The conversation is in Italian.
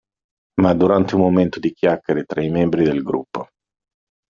Ma durante un momento di chiacchiere tra i membri del gruppo.